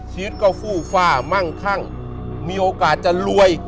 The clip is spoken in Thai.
ชีวิตก็ฟู่ฟ่ามั่งคั่งมีโอกาสจะรวย